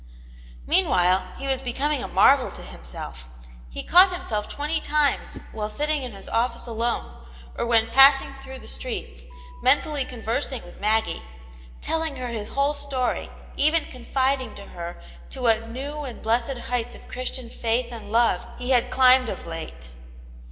Meanwhile, he was becoming a marvel to himself. He caught himself twenty times while sitting in his office alone, or when passing through the streets, mentally conversing with Maggie; telling her his whole story, even confiding to her to what new atvd blessed heights of Christian (avXVv ^xv^ \w^ V^ \>sA 58 Aunt pane's Hero^ climbed of late.